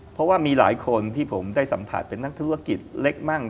เพราะว่ามีหลายคนที่ผมได้สัมผัสเป็นนักธุรกิจเล็กมั่ง